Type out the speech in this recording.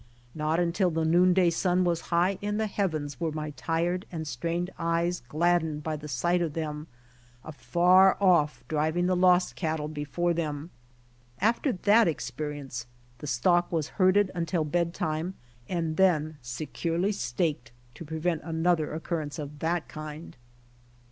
Not until the noonday sun was high in the heavens were my tired and strained eyes gladdened by the sight of them afar off driving the lost cattle before them. After that experience the stock was herded until bed time, and then securely staked to prevent another occurrence of that kind.